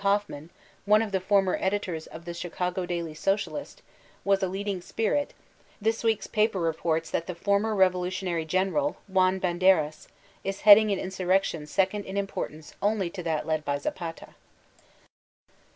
Hoffman, one of the former editors of The Chicago Dotty Socialist, was a leading spirit — this week's paper reports that the former revolutionary general, Juan Banderas, is heading an insurrection second in impor tance only to that led by Zapata.